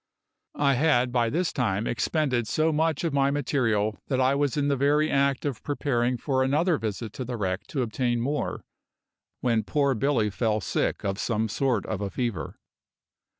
I had by this time expended so much of my material that I was in the very act of preparing for another visit to the wreck to obtain more when poor Billy fell sick of some sort of a fever.